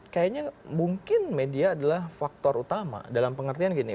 kayaknya mungkin media adalah faktor utama dalam pengertian gini